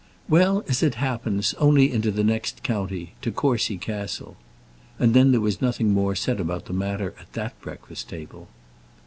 "Well, as it happens, only into the next county, to Courcy Castle." And then there was nothing more said about the matter at that breakfast table.